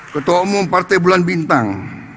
ketua umum partai bulan bintang